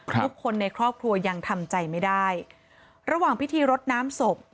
ทุกคนในครอบครัวยังทำใจไม่ได้ระหว่างพิธีรดน้ำศพ